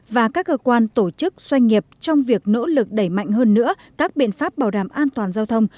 và các cơ quan tổ chức doanh nghiệp trong việc nỗ lực đẩy mạnh hơn nữa các biện pháp bảo đảm an toàn giao thông